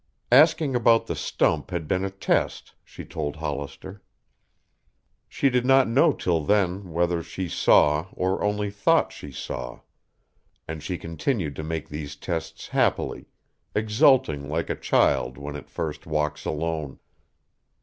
Asking about the stump had been a test, she told Hollister. She did not know till then whether she saw or only thought she saw. And she continued to make these tests happily, exulting like a child when it first walks alone.